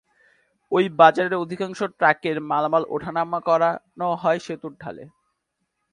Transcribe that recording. ওই বাজারের অধিকাংশ ট্রাকের মালামাল ওঠা নামা করানো হয় সেতুর ঢালে।